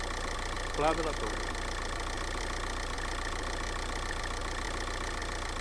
Pla de la torre.